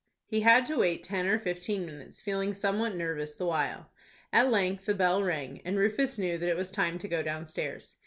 He had to wait ten or fifteen minutes, feeling somewhat nervous the while. At length the bell rang, and Rufus knew that it was time to go downstairs.